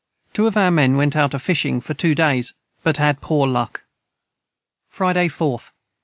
Two of our men went out a fishing for 2 days but had poor luck. Friday 4th.